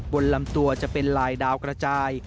บนลำตัวจะเป็นลายดาวกระจาย